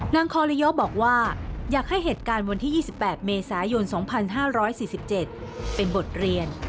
นางคอลิโยบอกว่าอยากให้เหตุการณ์วันที่๒๘เมษายน๒๕๔๗เป็นบทเรียน